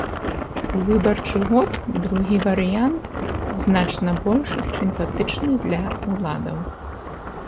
У выбарчы год другі варыянт значна больш сімпатычны для ўладаў.